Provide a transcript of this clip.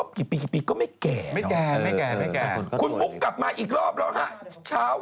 บุ๊คเค้าไม่กลับไปนอนหรอ